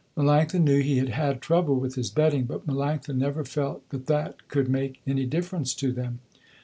Melanctha knew he had had trouble with his betting but Melanctha never felt that that could make any difference to them.